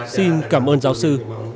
xin cảm ơn giáo sư